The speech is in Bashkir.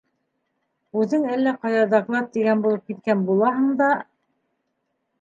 Үҙең әллә ҡайҙа доклад тигән булып киткән булаһың да...